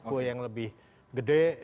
kue yang lebih gede